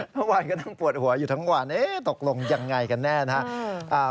ทั้งวันก็ต้องปวดหัวอยู่ทั้งวันตกลงอย่างไรกันแน่นะ